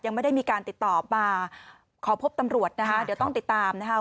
ยังไม่ได้มีการติดต่อมาขอพบตำรวจนะคะเดี๋ยวต้องติดตามนะคะ